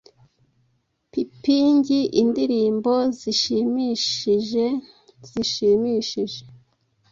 Pipingi indirimbo zishimishije zishimishije